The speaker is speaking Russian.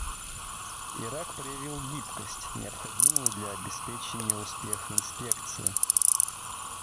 Ирак проявил гибкость, необходимую для обеспечения успеха инспекции.